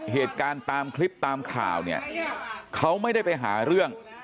เหตุการณ์ตามคลิปตามข่าวเนี่ยเขาไม่ได้ไปหาเรื่อง